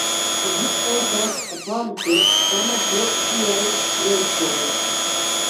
Ĝi estas aparte fama pro siaj freskoj.